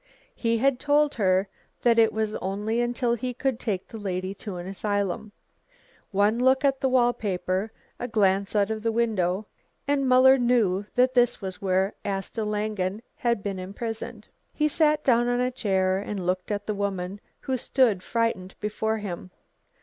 He had told her that it was only until he could take the lady to an asylum. One look at the wall paper, a glance out of the window, and Muller knew that this was where Asta Langen had been imprisoned. He sat down on a chair and looked at the woman, who stood frightened before him.